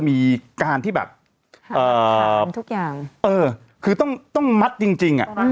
จะมีการที่แบบเอ่อหาลังทุกอย่างเออคือต้องต้องมัดจริงจริงอะ